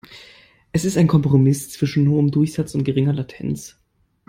Es ist ein Kompromiss zwischen hohem Durchsatz und geringer Latenz.